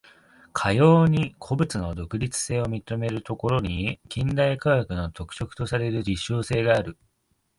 かように個物の独立性を認めるところに、近代科学の特色とされる実証性がある。